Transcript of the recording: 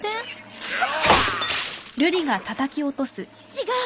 違う！